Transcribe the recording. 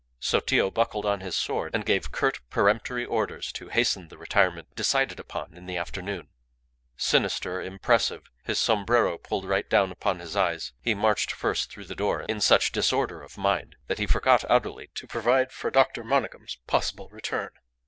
Sotillo buckled on his sword and gave curt, peremptory orders to hasten the retirement decided upon in the afternoon. Sinister, impressive, his sombrero pulled right down upon his eyebrows, he marched first through the door in such disorder of mind that he forgot utterly to provide for Dr. Monygham's possible return.